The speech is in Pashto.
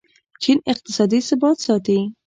چین اقتصادي ثبات ساتي.